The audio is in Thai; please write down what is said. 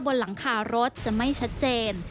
บนหลังคารถจะไม่ชัดเจน